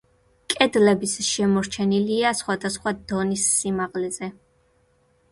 კედლების შემორჩენილია სხვადასხვა დონის სიმაღლეზე.